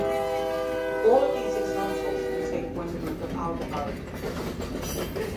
All of these examples contain one group of aldehyde.